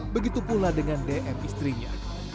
begitu pula dengan dm istrinya